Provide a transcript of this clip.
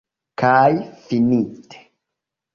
Kaj finite.